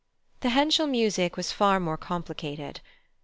The +Henschel+ music was far more complicated.